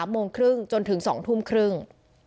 โมงครึ่งจนถึง๒ทุ่มครึ่ง